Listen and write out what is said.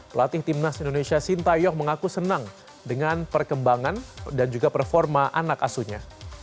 pelatih timnas indonesia sintayong mengaku senang dengan perkembangan dan juga performa anak asuhnya